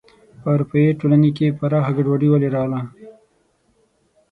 په اروپايي ټولنې کې پراخه ګډوډي ولې راغله.